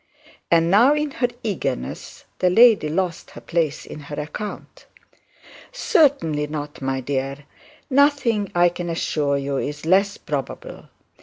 and now in her eagerness the lady lost her place in her account. 'Certainly not, my dear. Nothing I can assure you is less probable.